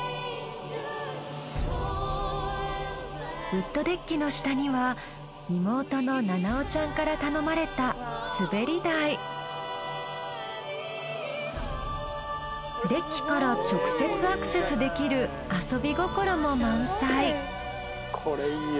ウッドデッキの下には妹の七生ちゃんから頼まれたデッキから直接アクセスできる遊び心も満載。